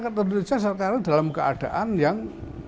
saya katakan bahwa masyarakat indonesia sekarang dalam keadaan yang